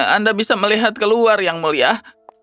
anda bisa melihat keluar yang mulia